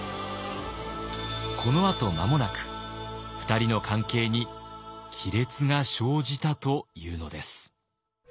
このあと間もなく２人の関係に亀裂が生じたというのです。